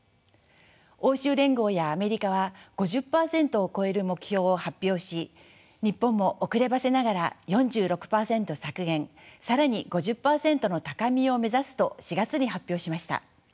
欧州連合やアメリカは５０％を超える目標を発表し日本も遅ればせながら４６％削減更に５０％の高みを目指すと４月に発表しました。